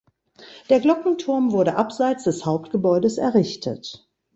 Der Glockenturm wurde abseits des Hauptgebäudes errichtet.